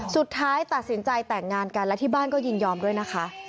สุดท้ายตัดสินใจแต่งงานกันและที่บ้านก็ยินยอมด้วยนะคะ